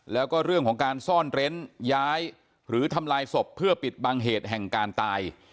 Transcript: แล้วก็เรื่องของการซ่อนเร้นย้ายหรือทำลายศพเพื่อปิดบังเหตุแห่งการตาย